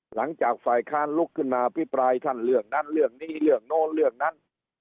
หลังจากฝ่ายค้านลุกขึ้นมาอภิปรายท่านเรื่องนั้นเรื่องนี้เรื่องโน้นเรื่องนั้น